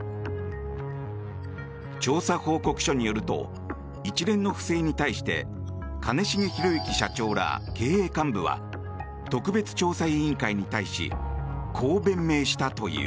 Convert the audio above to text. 調査報告書によると一連の不正に対して兼重宏行社長ら経営幹部は特別調査委員会に対しこう弁明したという。